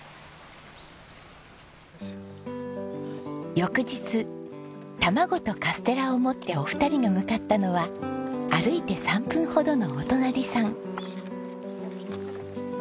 翌日卵とカステラを持ってお二人が向かったのは歩いて３分ほどのお隣さん。